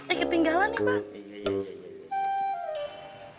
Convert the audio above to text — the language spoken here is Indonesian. eh ketinggalan nih bang